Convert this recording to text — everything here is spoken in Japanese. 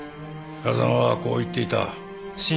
風間はこう言っていた。